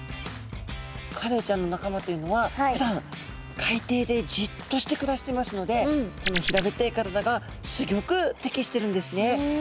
カレイちゃんの仲間というのはふだん海底でじっとして暮らしてますのでこの平べったい体がすギョく適してるんですね。